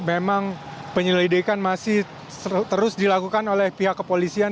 memang penyelidikan masih terus dilakukan oleh pihak kepolisian